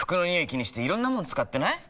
気にしていろんなもの使ってない？